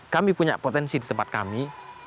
kami punya potensi di tempat kami